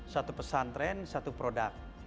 satu pesantren satu produk